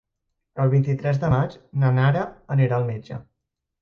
El vint-i-tres de maig na Nara anirà al metge.